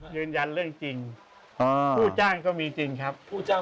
ยืนยันเรื่องจริงผู้จ้างก็มีจริงครับผู้จ้าง